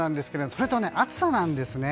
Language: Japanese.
それと、暑さなんですね。